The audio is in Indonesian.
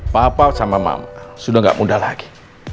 papa sama mama sudah tidak muda lagi